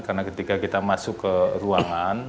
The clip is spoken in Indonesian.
karena ketika kita masuk ke ruangan